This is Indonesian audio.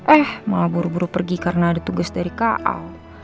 eh malah buru buru pergi karena ada tugas dari ka